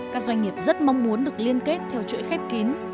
các doanh nghiệp rất mong muốn được liên kết theo chuỗi khép kín